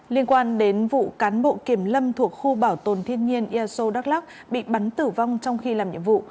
liên quan đến vụ cán bộ kiểm lâm thuộc khu bảo tồn thiên nhiên eso đắk lắc bị bắn tử vong trong khi làm nhiệm vụ